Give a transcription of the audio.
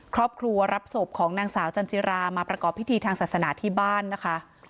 ครอบครัวรับศพของนางสาวจันจิรามาประกอบพิธีทางศาสนาที่บ้านนะคะ